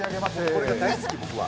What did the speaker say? これが大好き、僕は。